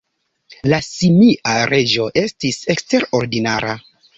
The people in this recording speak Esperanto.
La simia reĝo estis eksterordinara.